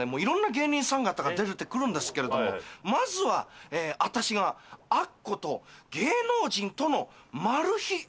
色んな芸人さん方が出てくるんですけれどもまずは私がアッコと芸能人とのマル秘